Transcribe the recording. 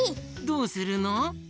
どうするの？